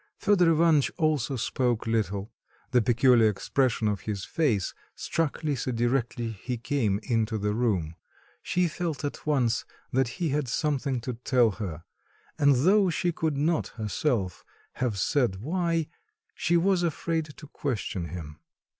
Fedor Ivanitch also spoke little; the peculiar expression of his face struck Lisa directly he came into the room; she felt at once that he had something to tell her, and though she could not herself have said why, she was afraid to question him.